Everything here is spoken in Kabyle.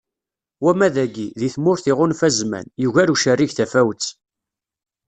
Wama dagi, deg tmurt iɣunfa zzman ; yugar ucerrig tafawet.